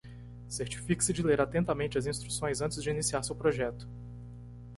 Certifique-se de ler atentamente as instruções antes de iniciar seu projeto.